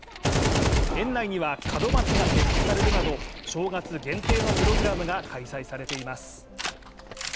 園内には門松が設置されるなど正月限定のプログラムが開催されています。